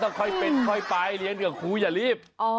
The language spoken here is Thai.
ค่อยเป็นค่อยไปเรียนกับครูอย่ารีบ